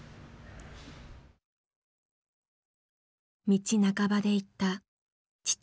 道半ばで逝った父。